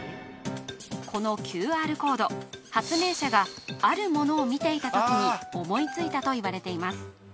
このＱＲコード発明者があるものを見ていた時に思いついたといわれています